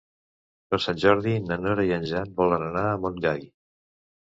Per Sant Jordi na Nora i en Jan volen anar a Montgai.